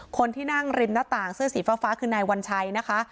คนที่นั่งริมหน้าต่างเสื้อสีฟ้าคือนายวัญชัยนะคะ